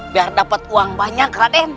biar dapat uang banyak raden